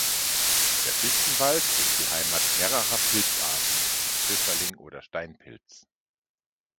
Der Fichtenwald ist die Heimat mehrerer Pilzarten wie Pfifferling oder Steinpilz.